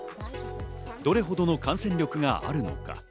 どれほどの感染力があるのか。